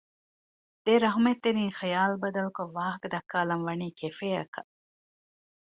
ދެރަހްމަތްތެރިން ހިޔާލު ބަދަލުކޮށް ވާހަކަދައްކާލަން ވަނީ ކެފޭއަކަށް